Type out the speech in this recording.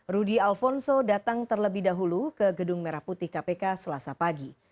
rudy alfonso datang terlebih dahulu ke gedung merah putih kpk selasa pagi